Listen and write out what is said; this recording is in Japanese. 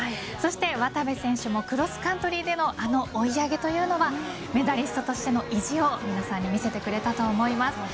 そして渡部選手もクロスカントリーでのあの追い上げというのはメダリストとしての意地を皆さんに見せてくれたと思います。